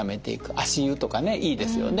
足湯とかいいですよね。